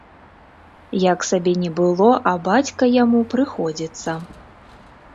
Як сабе не было, а бацька яму прыходзіцца.